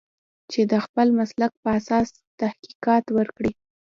چې د خپل مسلک په اساس تحقیقات وکړي.